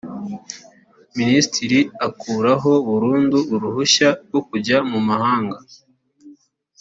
minisitiri akuraho burundu uruhushya rwo kujya mu mahanga